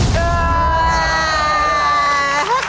ตัว